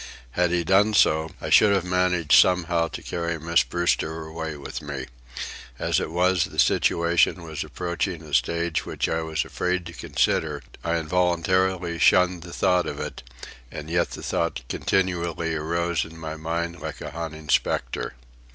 Had he done so, I should have managed somehow to carry Miss Brewster away with me. As it was, the situation was approaching a stage which I was afraid to consider. I involuntarily shunned the thought of it, and yet the thought continually arose in my mind like a haunting spectre.